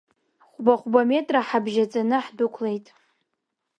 Хәба-хәба метра ҳабжьаҵаны ҳдәықәлеит.